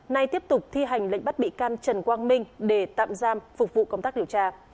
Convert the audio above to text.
nay tiếp tục thi hành lệnh bắt bị can trần quang minh để tạm giam phục vụ công tác điều tra